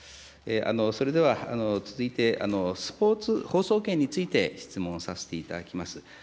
それでは続いて、スポーツ放送権について質問させていただきます。